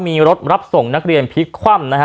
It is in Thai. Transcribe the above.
มีรถรับส่งนักเรียนพลิกคว่ำนะฮะ